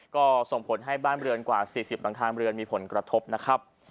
ก็ส่งผลให้บ้านเรือนกว่า๔๐หลังคาเรือนมีผลกระทบนะครับ